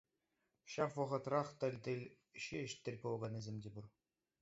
Ҫав вӑхӑтрах тӗл-тӗл ҫеҫ тӗл пулаканнисем те пур.